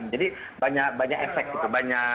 jadi banyak efek gitu